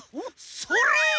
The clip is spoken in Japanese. それ！